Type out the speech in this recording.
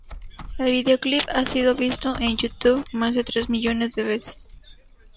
El videoclip ha sido visto en YouTube más de tres millones de veces.